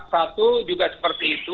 satu juga seperti ini